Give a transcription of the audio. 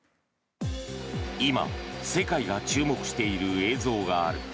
今、世界が注目している映像がある。